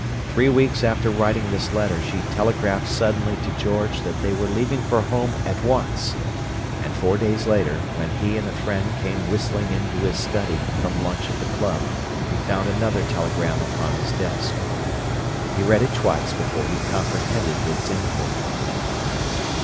Three weeks after writing this letter, she telegraphed suddenly to George that they were leaving for home at once; and four days later, when he and a friend came whistling into his study, from lunch at the club, he found another telegram upon his desk. He read it twice before he comprehended its import.